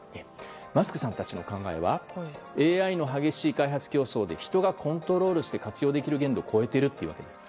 マスクさんたちの考えはＡＩの激しい開発競争で人がコントロールして活用できる限度を超えているというんです。